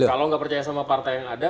kalau nggak percaya sama partai yang ada